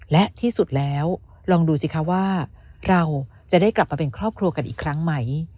และที่สุดแล้วลองดูสิคะว่าเราจะได้กลับมาเป็นครอบครัวกันอีกครั้งไหม